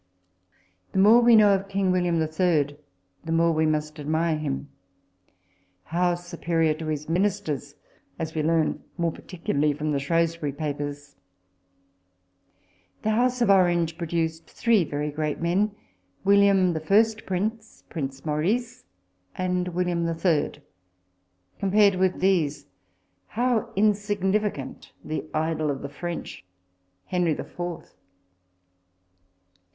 The more we know of King William the Third, the more we must admire him. How superior to his ministers, as we learn more particularly from the Shrewsbury Papers. The House of Orange produced three very great men William, the first Prince,* Prince Maurice,f and William the Third. Compared with these, how insignificant the Idol of the French, Henry the Fourth